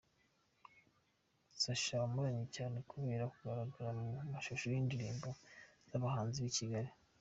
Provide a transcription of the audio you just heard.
Sacha wamamaye cyane kubera kugaragara mu mashusho y’indirimbo z’abahanzi b’i Kigali.